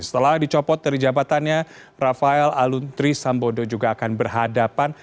setelah dicopot dari jabatannya rafael aluntri sambodo juga akan berhadapan